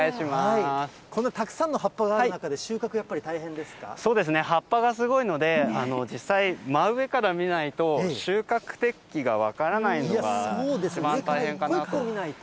このたくさんの葉っぱがあるそうですね、葉っぱがすごいので、実際、真上から見ないと、収穫適期が分からないのが一番大変かなと。